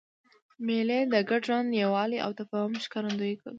مېلې د ګډ ژوند، یووالي او تفاهم ښکارندویي کوي.